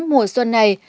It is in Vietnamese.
mùa xuân này